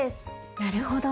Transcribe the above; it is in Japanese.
なるほど。